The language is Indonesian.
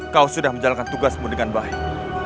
kau sudah menjalankan tugasmu dengan baik